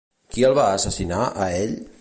Qui el va assassinar, a ell?